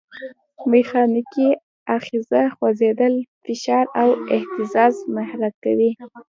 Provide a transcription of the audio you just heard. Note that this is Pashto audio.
میخانیکي آخذه خوځېدل، فشار او اهتزاز محرک کوي.